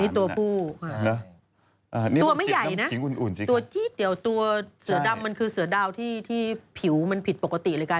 นี่ตัวผู้ตัวไม่ใหญ่นะตัวเสือดำมันคือเสือดาวที่ผิวมันผิดปกติเลยกะ